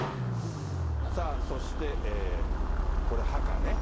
さあ、そして、これ、墓ね。